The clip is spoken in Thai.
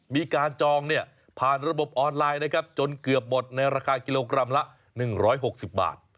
มีการจองผ่านระบบออนไลน์จนเกือบหมดในราคากิโลกรัมละ๑๖๐บาท